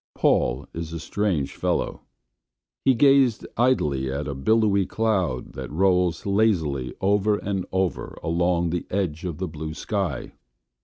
Paul is a strange fellow. He gazed idly at a billowy white cloud that rolls lazily over and over along the edge of the blue sky.